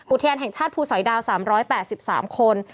อุทยานแห่งชาติภูสอยดาว๓๘๓คน